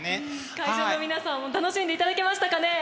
会場の皆さんも楽しんでいただけましたかね？